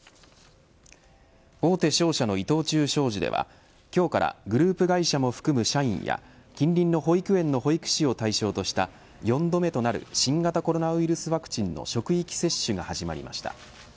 大手商社の伊藤忠商事では今日からグループ会社も含む社員や近隣の保育園の保育士を対象とした４度目となる新型コロナウイルスワクチンの職域接種が始まりました。